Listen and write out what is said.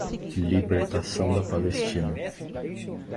Libertação da Palestina